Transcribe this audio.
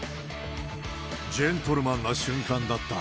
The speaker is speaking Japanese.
ジェントルマンな瞬間だった。